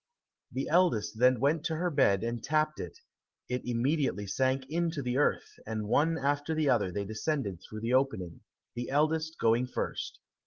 The eldest then went to her bed and tapped it; it immediately sank into the earth, and one after the other they descended through the opening, the eldest going first.